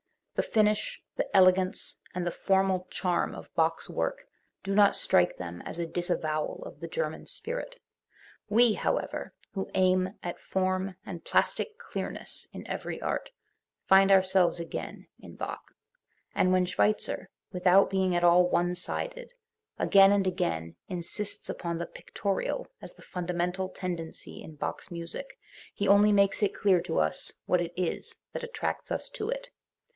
The finish, the elegance and the formal charm of Bach's work do not strike them as a disavowal of the German spirit. We, however, who aim at form and plastic clearness in every art, find our selves again in Bach, And when Schweitzer, without being at all one sided, again and again insists upon the "pictorial" as the fundamental tendency in Bach*s music, he only makes it clear to us what it is that attracts us to it.